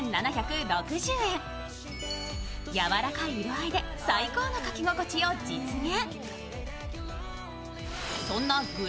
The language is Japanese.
やわらかい色合いで最高の描き心地を実現。